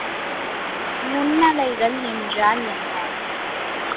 நுண்ணலைகள் என்றால் என்ன?